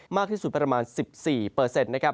มากที่สุดประมาณ๑๔เปอร์เซ็นต์นะครับ